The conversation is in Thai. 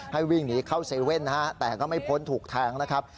วิ่งหนีเข้าเซเว่นนะฮะแต่ก็ไม่พ้นถูกแทงนะครับ